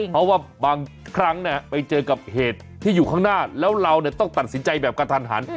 เพราะว่าบางครั้งไปเจอกับเหตุที่อยู่ข้างหน้าแล้วเราต้องตัดสินใจแบบกระทันหัน